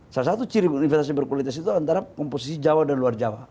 salah satu ciri investasi berkualitas itu antara komposisi jawa dan luar jawa